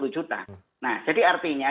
dua ratus sepuluh juta nah jadi artinya